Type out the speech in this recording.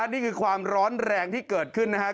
นี่คือความร้อนแรงที่เกิดขึ้นนะครับ